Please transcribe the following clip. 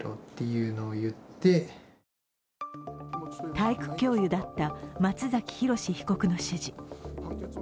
体育教諭だった松崎浩史被告の指示。